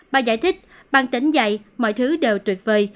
ba giải thích bằng tính dạy mọi thứ đều tuyệt vời